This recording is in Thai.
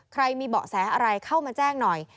มีเบาะแสอะไรเข้ามาแจ้งหน่อย